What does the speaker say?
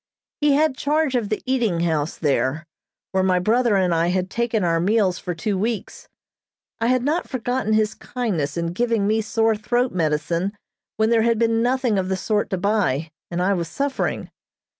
He had charge of the eating house there, where my brother and I had taken our meals for two weeks. I had not forgotten his kindness in giving me sore throat medicine when there had been nothing of the sort to buy, and I was suffering.